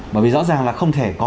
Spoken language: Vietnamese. bởi vì rõ ràng là không thể có